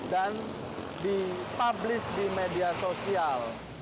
dan di publis di media sosial